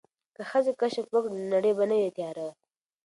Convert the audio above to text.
که ښځې کشف وکړي نو نړۍ به نه وي تیاره.